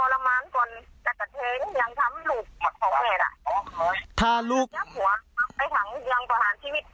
เลี้ยงท้ำหลูกมันเห็ดอะร่ำครบถ้าอาหารชีวิต